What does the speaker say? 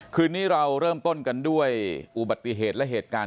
คืนนี้เราเริ่มต้นกันด้วยอุบัติเหตุและเหตุการณ์